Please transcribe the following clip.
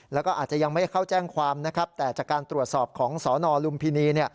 แล้วก็อาจจะยังไม่ได้เข้าแจ้งความนะครับแต่จากการตรวจสอบของสนลุมพินี